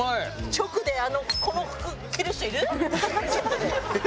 直でこの服着る人いる？